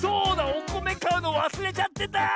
おこめかうのわすれちゃってた！